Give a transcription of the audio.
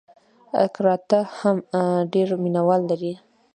کراته هم ډېر مینه وال لري.